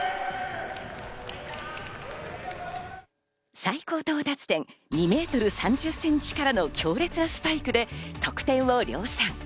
最高到達点２ｍ３０ｃｍからの強烈スパイクで得点を量産。